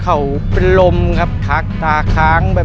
เขาเป็นลมนะครับชักตากหาง